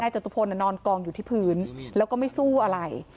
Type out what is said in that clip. นายจตุภนธรรมน่ะนอนกองอยู่ที่พื้นแล้วก็ไม่สู้อะไร